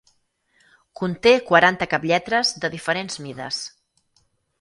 Conté quaranta caplletres de diferents mides.